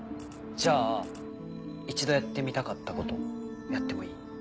じゃあ一度やってみたかったことやってもいい？